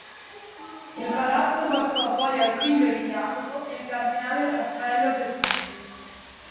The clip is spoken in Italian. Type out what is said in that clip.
Il palazzo passò poi al figlio di Jacopo, il cardinale Raffaello Petrucci.